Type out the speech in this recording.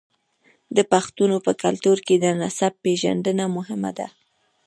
د پښتنو په کلتور کې د نسب پیژندنه مهمه ده.